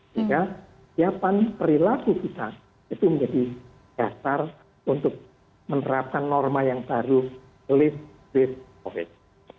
sehingga siapan perilaku kita itu menjadi dasar untuk menerapkan norma yang baru list base covid